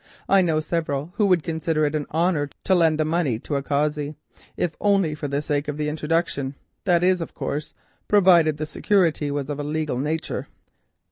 I know several who would consider it an honour to lend the money to a Cossey, if only for the sake of the introduction—that is, of course, provided the security was of a legal nature."